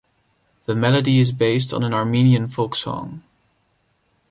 The melody is based on an Armenian folk song.